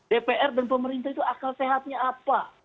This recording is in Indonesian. dpr dan pemerintah itu akal sehatnya apa